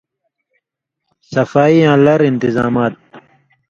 صفائی یاں لر انتظامات۔